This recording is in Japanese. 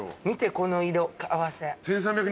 見てこの色合わせ。